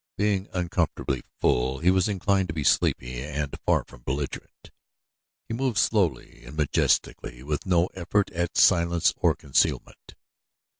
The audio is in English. Being uncomfortably full he was inclined to be sleepy and far from belligerent. He moved slowly and majestically with no effort at silence or concealment.